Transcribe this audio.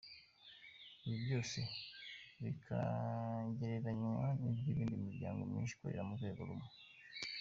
Ibi byose bikagereranywa n’ iby’ indi miryango myinshi ikorera mu rwego rumwe.